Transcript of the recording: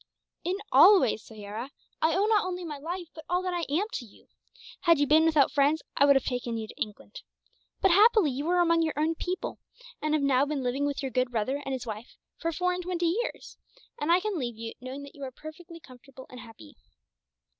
"In all ways, Soyera. I owe not only my life, but all that I am, to you. Had you been without friends, I would have taken you to England. But happily you are among your own people, and have now been living with your good brother and his wife for four and twenty years; and I can leave you, knowing that you are perfectly comfortable and happy.